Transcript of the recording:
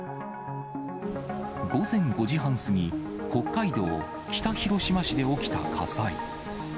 午前５時半過ぎ、北海道北広島市で起きた火災。